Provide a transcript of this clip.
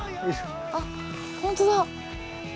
あっ本当だ。